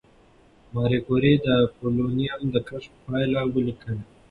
ماري کوري د پولونیم د کشف پایله ولیکله.